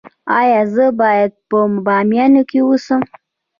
ایا زه باید په بامیان کې اوسم؟